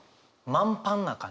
満パンな感じ。